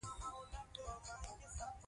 لیکوال دا هنر په پوره توګه زده دی.